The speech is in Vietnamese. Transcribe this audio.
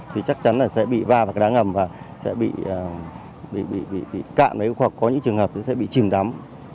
thì chắc chắn là sẽ bị va vào cái đá ngầm và sẽ bị cạn đấy hoặc có những trường hợp sẽ bị chìm đắm